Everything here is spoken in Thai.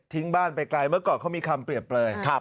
บ้านไปไกลเมื่อก่อนเขามีคำเปรียบเปลย